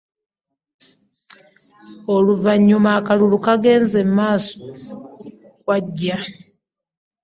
Oluvannyuma akalulu kaagenze mu maaso okukwajja